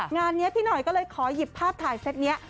งานนี้พี่หน่อยก็เลยขอหยิบภาพถ่ายเซตนี้